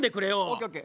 ＯＫＯＫ。